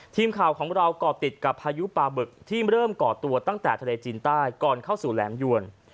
ทีมข่าวของเราก่อติดกับพายุปลาบึกที่เริ่มก่อตัวตั้งแต่ทะเลจีนใต้ก่อนเข้าสู่แหลมยวน